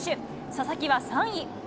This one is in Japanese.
佐々木は３位。